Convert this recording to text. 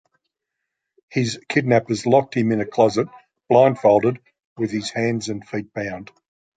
His kidnappers locked him in a closet, blindfolded with his hands and feet bound.